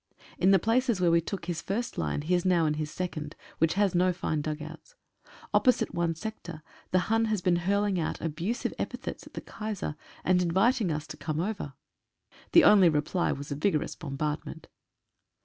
In the places where we took his first line, he is now in his second, which has no fine dugouts. Opposite one sector the Hun has been hurling out abusive epithets at the Kaiser, and inviting us to come over. The only reply was a vigorous bombardment.